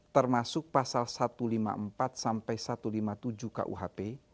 termasuk pasal satu ratus lima puluh empat sampai satu ratus lima puluh tujuh kuhp